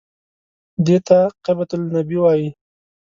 دې ته قبة النبي وایي.